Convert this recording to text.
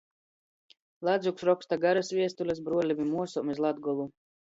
Ladzuks roksta garys viestulis bruolim i muosom iz Latgolu.